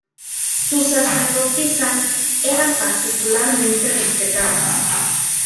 Sus sacerdotisas eran particularmente respetadas.